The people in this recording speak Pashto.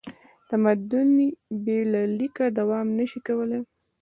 تمدن بې له لیکه دوام نه شي کولی.